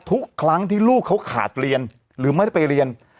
ทุกครั้งที่ลูกเขาขาดเรียนหรือไม่ได้ไปเรียน